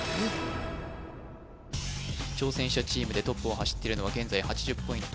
挑戦者チームでトップを走っているのは現在８０ポイント